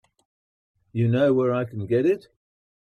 You know where I can get it?